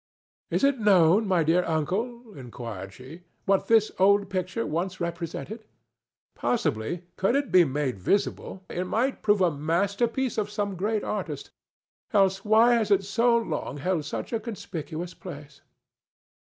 "Is it known, my dear uncle," inquired she, "what this old picture once represented? Possibly, could it be made visible, it might prove a masterpiece of some great artist; else why has it so long held such a conspicuous place?"